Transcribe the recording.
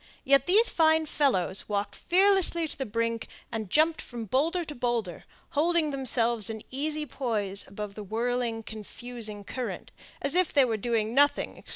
Yet these fine fellows walked fearlessly to the brink, and jumped from boulder to boulder, holding themselves in easy poise above the whirling, confusing current, as if they were doing nothing extraordinary.